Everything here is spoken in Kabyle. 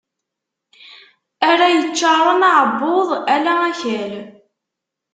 Ara yeččaṛen aɛebbuḍ, ala akal.